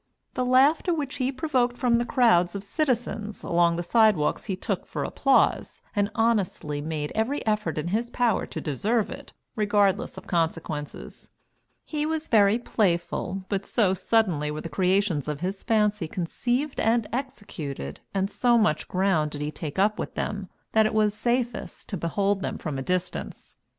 The laughter which he provoked from the crowds of citizens along the sidewalks he took for applause, and honestly made every effort in his power to deserve it, regardless of consequences. He was very playful, but so suddenly were the creations of his fancy conceived and executed, and so much ground did he take up with them, that it was safest to behold them from a distance.